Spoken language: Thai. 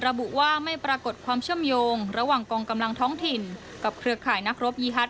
ระบุว่าไม่ปรากฏความเชื่อมโยงระหว่างกองกำลังท้องถิ่นกับเครือข่ายนักรบยีฮัต